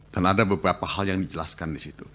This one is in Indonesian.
dan ada beberapa hal yang dijelaskan disitu